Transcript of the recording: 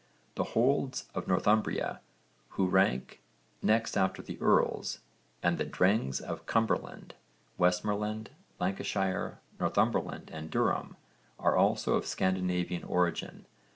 The 'holds' of Northumbria, who rank next after the earls, and the 'drengs' of Cumberland, Westmorland, Lancashire, Northumberland and Durham, are also of Scandinavian origin.